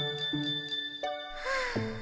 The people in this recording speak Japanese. はあ。